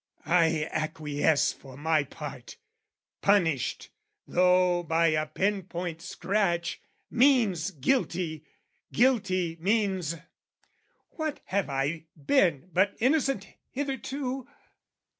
I acquiesce for my part, punished, though By a pin point scratch, means guilty: guilty means What have I been but innocent hitherto?